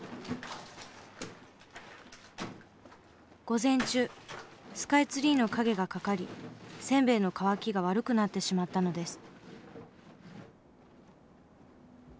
午前中スカイツリーの影がかかりせんべいの乾きが悪くなってしまったのです。